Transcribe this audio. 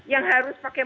yang ternyata bisa pakai